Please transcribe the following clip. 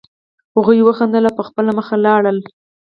هغوی وخندل او په خپله مخه لاړل